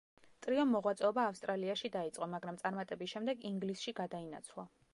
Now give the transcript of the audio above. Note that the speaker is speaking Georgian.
ტრიომ მოღვაწეობა ავსტრალიაში დაიწყო, მაგრამ წარმატების შემდეგ ინგლისში გადაინაცვლა.